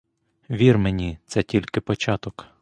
Вір мені — це тільки початок.